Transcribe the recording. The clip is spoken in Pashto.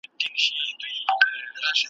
هره ورځ کوي له خلکو څخه غلاوي `